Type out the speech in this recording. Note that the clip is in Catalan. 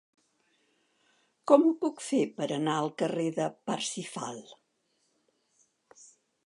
Com ho puc fer per anar al carrer de Parsifal?